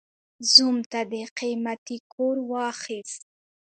زوم ته دې قيمتي کور واخيست.